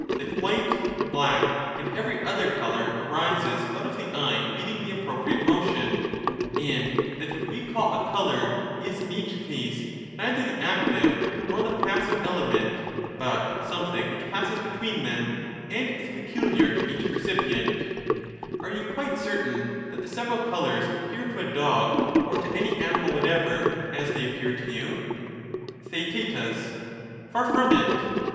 that white, black, and every other colour, arises out of the eye meeting the appropriate motion, and that what we call a colour is in each case neither the active nor the passive 1 54 element, but something which passes between them, and is peculiar to each percipient ; are you quite certain that the several colours appear to a dog or to any animal whatever as they appear to you ? TheaeU Far from it.